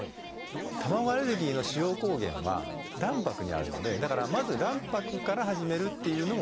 卵アレルギーの主要抗原は卵白にあるのでだからまず卵白から始めるっていうのも一つ手ですね。